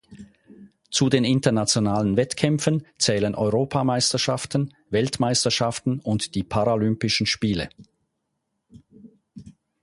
Zu den Internationalen Wettkämpfen zählen Europameisterschaften, Weltmeisterschaften und die Paralympischen Spiele.